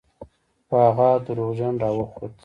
خو هغه دروغجن راوخوت.